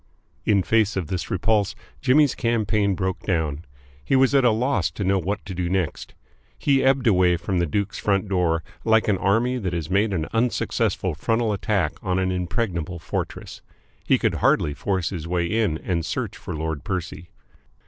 In face of this repulse, Jimmy's campaign broke down. He was at a loss to know what to do next. He ebbed away from the Duke's front door like an army that has made an unsuccessful frontal attack on an impregnable fortress. He could hardly force his way in and search for Lord Percy.